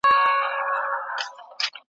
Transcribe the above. له آدمه تر دې دمه په قرنونو `